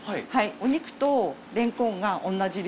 お肉とれんこんが同じ量？